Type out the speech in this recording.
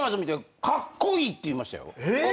えっ！？